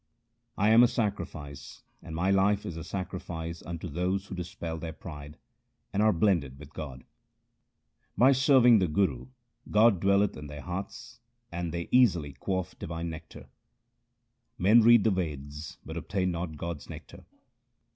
I am a sacrifice, and my life is a sacrifice unto those who dispel their pride, and are blended with God. By serving the Guru, God dwelleth in their hearts, and they easily quaff divine nectar. Men read the Veds, but obtain not God's nectar.